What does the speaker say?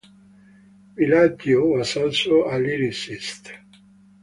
Villaggio was also a lyricist.